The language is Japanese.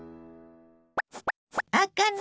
あかね